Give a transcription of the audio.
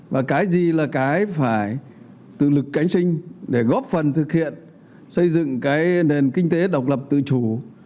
và cái gì là cái phải tự lực cánh sinh để góp phần thực hiện xây dựng cái nền kinh tế độc lập tự chủ